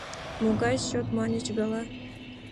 — Могай счёт маньыч гала?